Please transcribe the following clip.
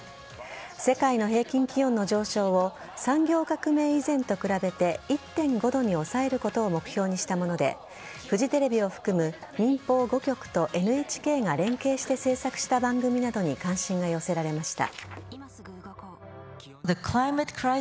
世界の平均気温の上昇を産業革命以前と比べて１．５度に抑えることを目標にしたものでフジテレビを含む民放５局とＮＨＫが連携して制作した番組などに関心が寄せられました。